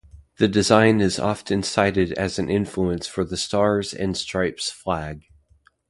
The design is often cited as an influence for the Stars and Stripes flag.